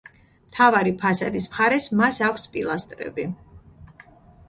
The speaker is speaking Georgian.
მთავარი ფასადის მხარეს მას აქვს პილასტრები.